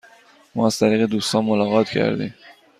ما از طریق دوستان ملاقات کردیم.